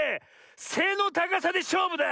せのたかさでしょうぶだ！